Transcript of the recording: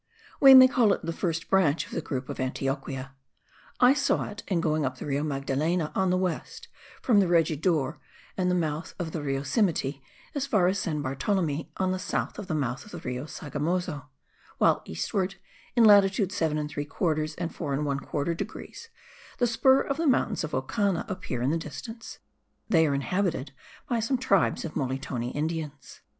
We may call it the first branch of the group of Antioquia. I saw it, in going up the Rio Magdalena, on the west, from the Regidor and the mouth of the Rio Simiti, as far as San Bartolome (on the south of the mouth of the Rio Sogamozo); while, eastward, in latitude 7 3/4 and 8 1/4 degrees, the spur of the mountains of Ocana appear in the distance; they are inhabited by some tribes of Molitone Indians.